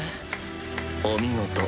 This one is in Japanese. お見事。